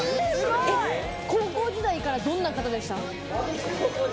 高校時代からどんな人でした？